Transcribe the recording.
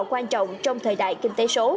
quan trọng trong thời gian